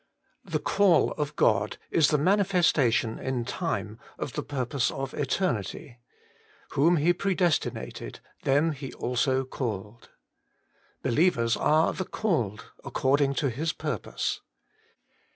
THE call of God is the manifestation in time of the purpose of eternity :' Whom He predesti nated, them He also called.' Believers are ' the called according to His purpose.'